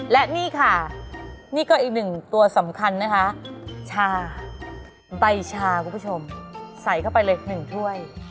และนี่ค่ะนี่ก็อีกหนึ่งตัวสำคัญนะคะชาใบชาคุณผู้ชมใส่เข้าไปเลย๑ถ้วย